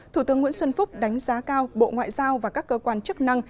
thủ tướng nguyễn xuân phúc đánh giá cao bộ ngoại giao và các cơ quan chức năng